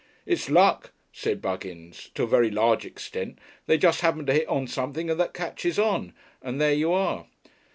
"It's luck," said Buggins, "to a very large extent. They just happen to hit on something that catches on, and there you are!"